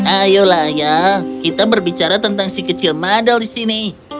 ayolah ya kita berbicara tentang si kecil madau di sini